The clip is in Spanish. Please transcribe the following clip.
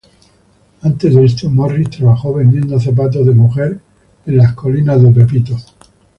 Antes de esto, Morris trabajó vendiendo zapatos de mujer en Beverly Hills.